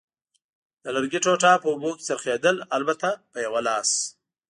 د لرګي ټوټه په اوبو کې څرخېدل، البته په یوه لاس.